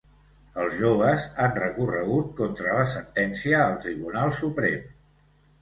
Els joves han recorregut contra la sentència al Tribunal Suprem.